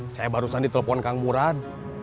saya barusan di telepon kang buran